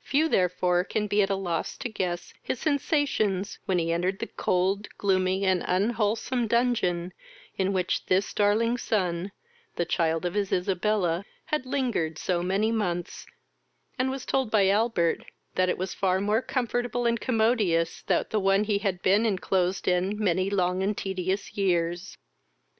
Few therefore can be at a loss to guess his sensations when he entered the cold, gloomy, and unwholesome dungeon in which this darling son, the child of his Isabella, had lingered so many months, and was told by Albert, that it was far more comfortable and commodious than the one he had been inclosed in many long and tedious years.